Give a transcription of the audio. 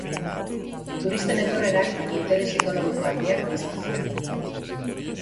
Turisten etorrerak interes ekonomiko handiak piztu zituen.